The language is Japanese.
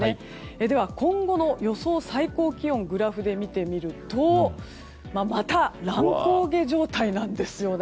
では、今後の予想最高気温をグラフで見てみるとまた乱高下状態なんですよね。